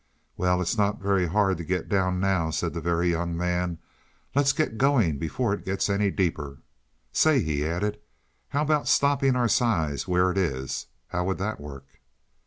"Well, it's not very hard to get down now," said the Very Young Man. "Let's get going before it gets any deeper. Say," he added, "how about stopping our size where it is? How would that work?"